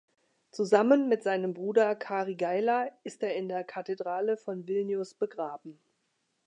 Zusammen mit seinem Bruder Karigaila ist er in der Kathedrale von Vilnius begraben.